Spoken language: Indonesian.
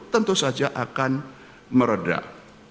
tentu saja akan meredah